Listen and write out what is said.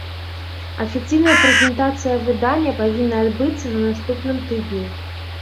Афіцыйная прэзентацыя выдання павінна адбыцца на наступным тыдні.